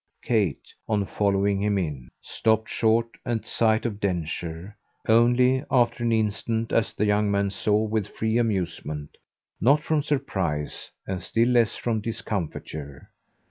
Kate, on following him in, stopped short at sight of Densher only, after an instant, as the young man saw with free amusement, not from surprise and still less from discomfiture.